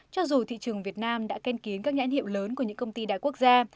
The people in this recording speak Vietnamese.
cho dù thị trường việt nam đã ken kiến các nhãn hiệu lớn của những công ty đại quốc gia